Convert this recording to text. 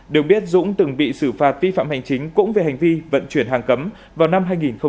được biết dũng từng bị xử phạt vi phạm hành chính cũng về hành vi vận chuyển hàng cấm vào năm hai nghìn một mươi